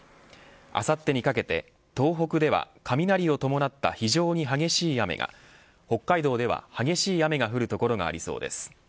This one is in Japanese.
あさってにかけて東北では雷を伴った非常に激しい雨が北海道では激しい雨が降る所がありそうです。